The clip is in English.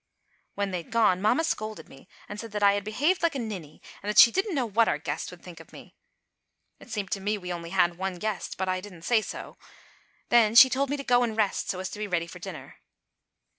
When they'd gone, mamma scolded me, and said that I had behaved like a ninny and that she didn't know what our guests would think of me. It seemed to me we only had one guest; but I didn't say so. Then she told me to go and rest so as to be ready for dinner.